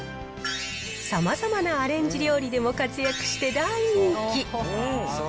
さまざまなアレンジ料理でも活躍して大人気。